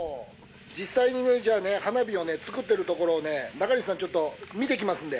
実際にねじゃあね花火をね作ってるところをね中西さんちょっと見てきますんで。